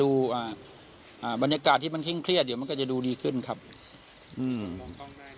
อ่าอ่าบรรยากาศที่มันเคร่งเครียดเดี๋ยวมันก็จะดูดีขึ้นครับอืม